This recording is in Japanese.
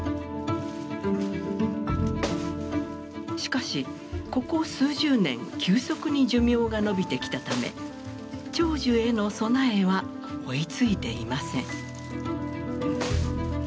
しかしここ数十年急速に寿命が延びてきたため長寿への備えは追いついていません。